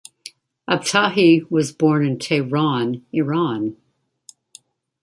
Abtahi was born in Tehran, Iran.